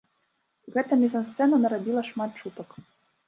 Гэта мізансцэна нарабіла шмат чутак.